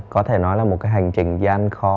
có thể nói là một cái hành trình gian khó